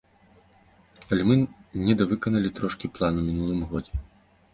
Але мы недавыканалі трошкі план у мінулым годзе.